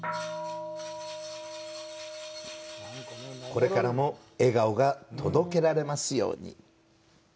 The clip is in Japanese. これからも笑顔が届けられますように。